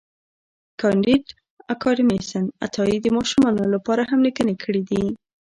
کانديد اکاډميسن عطایي د ماشومانو لپاره هم لیکني کړي دي.